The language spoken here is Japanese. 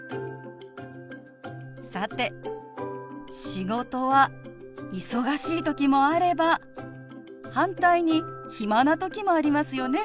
さて仕事は忙しい時もあれば反対に暇な時もありますよね。